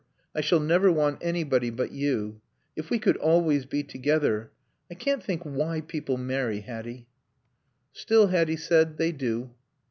I shall never want anybody but you. If we could always be together.... I can't think why people marry, Hatty." "Still," Hatty said, "they do."